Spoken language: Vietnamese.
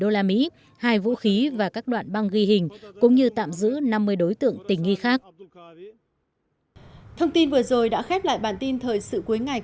thông tin vừa rồi đã khép lại bản tin thời sự cuối ngày của truyền hình nhân dân cảm ơn quý vị và các bạn đã quan tâm theo dõi xin kính chào và hẹn gặp lại